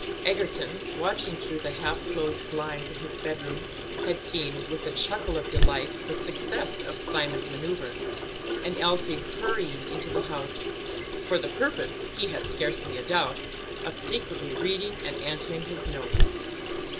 Egerton, watching through the half closed blinds of his bed room, had seen, with a chuckle of delight, the success of Simon's manoeuvre, and Elsie hurrying into the house; for the purpose he had scarcely a doubt of secretly reading and answering his note.